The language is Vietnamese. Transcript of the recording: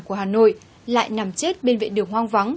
của hà nội lại nằm chết bên vệ đường hoang vắng